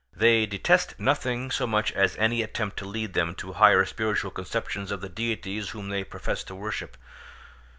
They detest nothing so much as any attempt to lead them to higher spiritual conceptions of the deities whom they profess to worship.